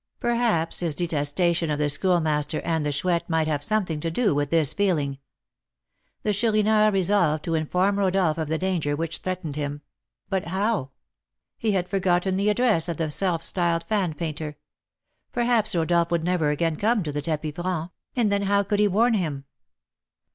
Perhaps his detestation of the Schoolmaster and the Chouette might have something to do with this feeling. The Chourineur resolved to inform Rodolph of the danger which threatened him; but how? He had forgotten the address of the self styled fan painter. Perhaps Rodolph would never again come to the tapis franc, and then how could he warn him?